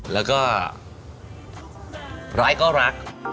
แล้วก็ร้ายก็รัก